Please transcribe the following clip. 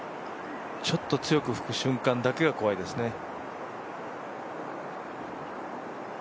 ちょっと強く吹く瞬間だけが怖いですね。